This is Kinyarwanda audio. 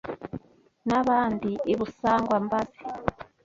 N’abandi i Busangwa-mbazi